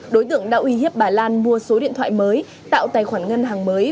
đối tượng đạo y hiếp bà lan mua số điện thoại mới tạo tài khoản ngân hàng mới